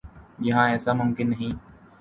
یہاں ایسا ممکن نہیں۔